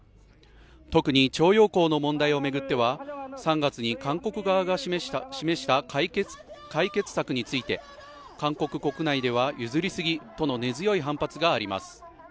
特に徴用工の問題を巡っては３月に韓国側が示した解決策について、韓国国内では譲りすぎとの根強い反発があります。